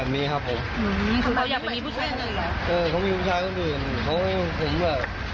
ผมก็อยากไปที่มีผู้ชายนั่นหนึ่งเขามีผู้ชายคนอื่น